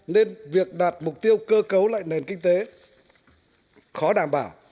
nên việc đạt mục tiêu cơ cấu lại nền kinh tế khó đảm bảo